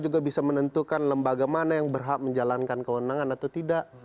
juga bisa menentukan lembaga mana yang berhak menjalankan kewenangan atau tidak